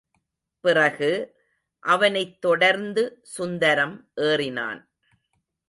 பிறகு, அவனைத் தொடர்ந்து சுந்தரம் ஏறினான்.